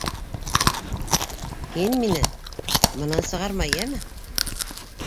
Һин мине мынан сығарма, йәме?